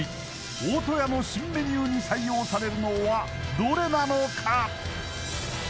大戸屋の新メニューに採用されるのはどれなのか？